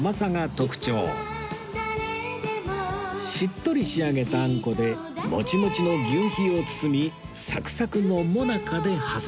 しっとり仕上げたあんこでモチモチの求肥を包みサクサクの最中で挟みます